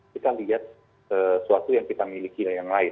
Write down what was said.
kita lihat sesuatu yang kita miliki yang lain